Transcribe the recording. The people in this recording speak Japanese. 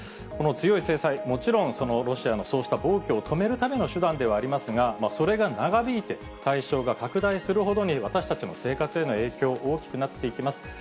この強い制裁、もちろんロシアのそうした暴挙を止めるための手段ではありますが、それが長引いて、対象が拡大するほどに私たちの生活への影響、大きくなっていきます。